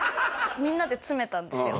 みんなで詰めたんですよ。